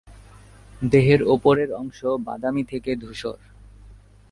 দেহের ওপরের অংশ বাদামি থেকে ধূসর।